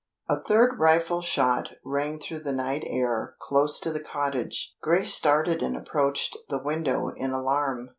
A THIRD rifle shot rang through the night air, close to the cottage. Grace started and approached the window in alarm.